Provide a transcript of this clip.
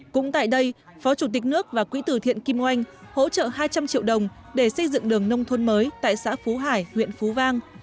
cũng tại đây phó chủ tịch nước và quỹ tử thiện kim oanh hỗ trợ hai trăm linh triệu đồng để xây dựng đường nông thôn mới tại xã phú hải huyện phú vang